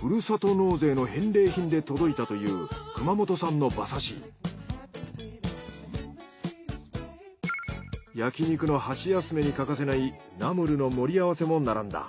ふるさと納税の返礼品で届いたという焼肉の箸休めに欠かせないナムルの盛り合わせも並んだ。